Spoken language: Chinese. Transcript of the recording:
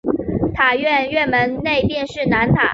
塔院院门内便是南塔。